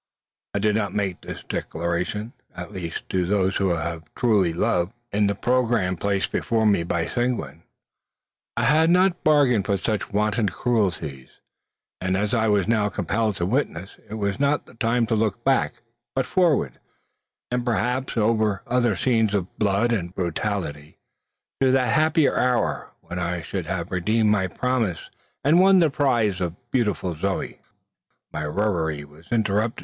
I need not make this declaration; at least to those who have truly loved. In the programme placed before me by Seguin, I had not bargained for such wanton cruelties as I was now compelled to witness. It was not the time to look back, but forward, and perhaps, over other scenes of blood and brutality, to that happier hour, when I should have redeemed my promise, and won the prize, beautiful Zoe. My reverie was interrupted.